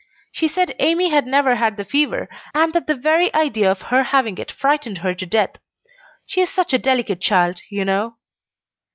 She said Amy had never had the fever, and that the very idea of her having it frightened her to death. She is such a delicate child, you know."